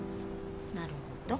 なるほど。